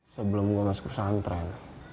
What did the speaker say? sebelum masuk ke santren